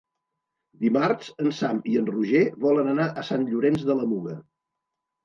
Dimarts en Sam i en Roger volen anar a Sant Llorenç de la Muga.